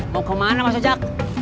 mau ke mana mas ojak